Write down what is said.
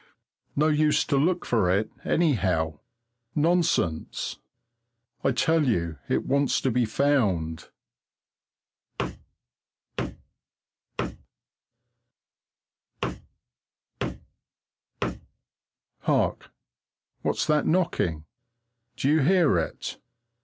No use to look for it, anyhow? Nonsense! I tell you it wants to be found Hark! what's that knocking? Do you hear it?